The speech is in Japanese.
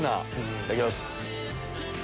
いただきます。